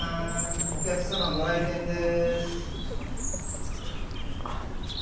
お客様ご来店です。